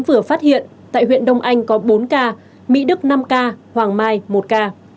vừa phát hiện tại huyện đông anh có bốn ca mỹ đức năm ca hoàng mai một ca